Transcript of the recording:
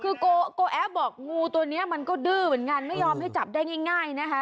คือโกแอฟบอกงูตัวนี้มันก็ดื้อเหมือนกันไม่ยอมให้จับได้ง่ายนะคะ